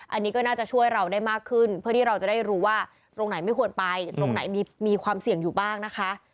อันนี้ก็น่าจะช่วยเราได้มากขึ้นเพื่อที่เราจะได้รู้ว่าตรงไหนไม่ควรไปตรงไหนมีความเสี่ยงอยู่บ้างนะคะ